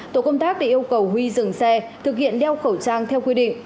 tổ công tác đã yêu cầu huy dừng xe thực hiện đeo khẩu trang theo quy định